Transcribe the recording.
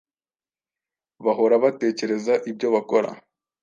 bahora batekereza ibyo bakora,